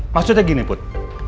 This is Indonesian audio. maksudnya gini put